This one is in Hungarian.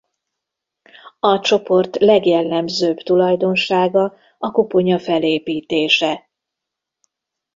A csoport legjellemzőbb tulajdonsága a koponya felépítése.